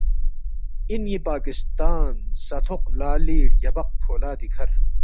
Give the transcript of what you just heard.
اِن نی پاکستان سہ تھوق لا لی ڑگیابق فولادی کھر